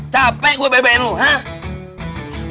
capek gue bebein lo hah